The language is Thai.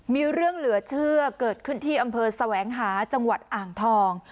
มีเรื่องเหลือเชื่อเกิดขึ้นที่อำเภอแสวงหาจังหวัดอ่างทอง